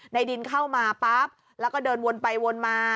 ในดินเข้ามาปั๊บแล้วก็เดินวนไปวนมา